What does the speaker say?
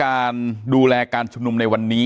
อย่างที่บอกไปว่าเรายังยึดในเรื่องของข้อ